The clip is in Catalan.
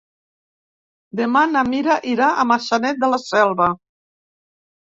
Demà na Mira irà a Maçanet de la Selva.